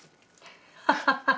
ハハハハ！